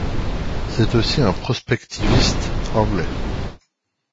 C'est aussi un prospectiviste anglais.